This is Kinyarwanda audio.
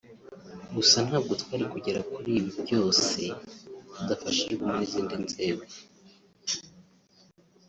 Gusa ntabwo twari kugera kuri ibi byose tudafatanyije n’izindi nzego